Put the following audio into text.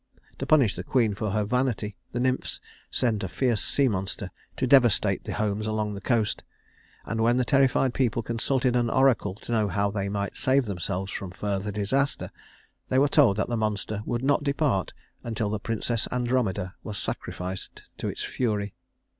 To punish the queen for her vanity, the nymphs sent a fierce sea monster to devastate the homes along the coast; and when the terrified people consulted an oracle to know how they might save themselves from further disaster, they were told that the monster would not depart until the Princess Andromeda was sacrificed to its fury.